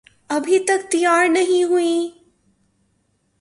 ابھی تک تیار نہیں ہوئیں؟